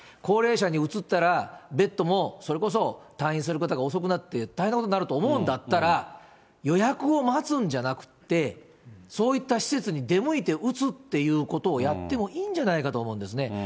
高齢者にうつったら、ベッドもそれこそ退院することが遅くなって、大変なことになると思うんだったら、予約を待つんじゃなくって、そういった施設に出向いて打つっていうことをやってもいいんじゃないかと思うんですね。